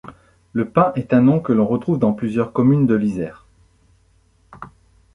Le Pin est un nom que l'on retrouve dans plusieurs communes de l'Isère.